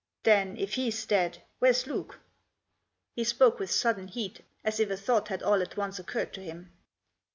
Then, if he's dead, where's Luke ?" He spoke with sudden heat, as if a thought had all at once occurred to him.